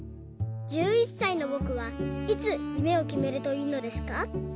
１１さいのぼくはいつ夢を決めるといいのですか？」。